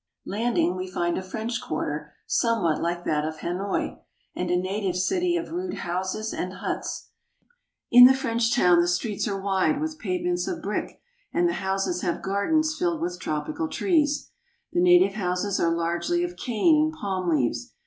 Landing, we find a French quarter somewhat like that of Hanoi and a native city of rude houses and huts. In the French town the streets are wide, with pavements of brick, and the houses have gardens filled with tropical trees. The native houses are largely of cane and palm leaves.